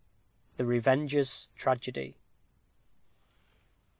_The Revenger's Tragedy.